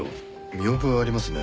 見覚えありますね。